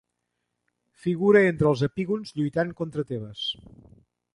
Figura entre els epígons lluitant contra Tebes.